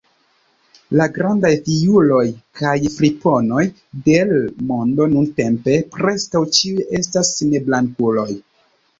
La grandaj fiuloj kaj friponoj de l’ mondo nuntempe preskaŭ ĉiuj estas neblankuloj.